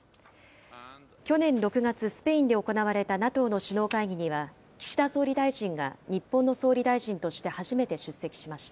去年６月、スペインで行われたＮＡＴＯの首脳会議には、岸田総理大臣が日本の総理大臣として初めて出席しました。